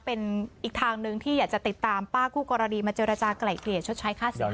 เป็นอีกทางหนึ่งที่อยากจะติดตามป้าคู่กรณีมาเจรจากลายเกลี่ยชดใช้ค่าเสียหาย